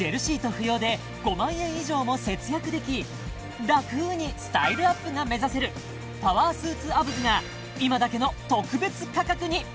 不要で５万円以上も節約でき楽にスタイルアップが目指せるパワースーツアブズが今だけの特別価格に！